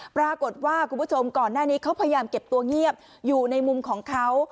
ปรากฏว่าคุณผู้ชมก่อนหน้านี้เขาพยายามเก็บตัวเงียบอยู่ในมุมของเขา